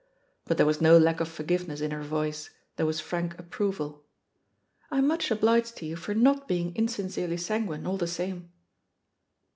But there was no lack of forgiveness in her voice, there was frank approval. "I'm much obliged to you for not being insincerely sanguine, all the same."